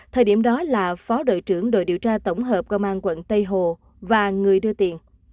thời điểm đó là phó đội trưởng đội điều tra tổng hợp công an quận tây hồ và người đưa tiền